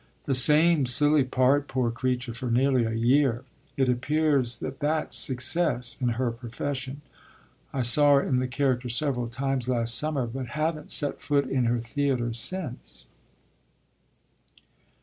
"The same silly part, poor creature, for nearly a year. It appears that that's 'success' in her profession. I saw her in the character several times last summer, but haven't set foot in her theatre since."